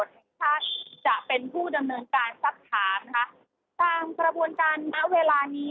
แห่งชาติจะเป็นผู้ดำเนินการสักถามนะคะตามกระบวนการณเวลานี้